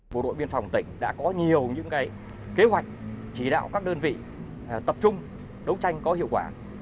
bộ đội biên phòng tỉnh đã có nhiều những kế hoạch chỉ đạo các đơn vị tập trung đấu tranh có hiệu quả